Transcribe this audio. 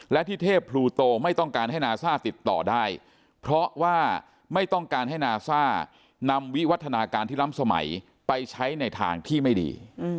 และที่เทพพลูโตไม่ต้องการให้นาซ่าติดต่อได้เพราะว่าไม่ต้องการให้นาซ่านำวิวัฒนาการที่ล้ำสมัยไปใช้ในทางที่ไม่ดี